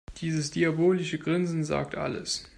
Dieses diabolische Grinsen sagt alles.